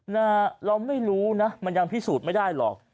นะฮะเราไม่รู้นะมันยังพิสูจน์ไม่ได้หรอก